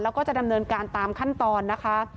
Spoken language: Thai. แล้วก็จะดำเนินการตามขั้นตอนนะคะ